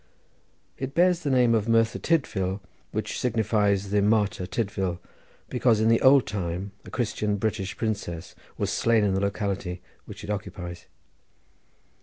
It bears the name of Merthyr Tydvil, which signifies the Martyr Tydvil, because in the old time a Christian British princess was slain in the locality which it occupies.